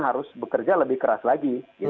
harus bekerja lebih keras lagi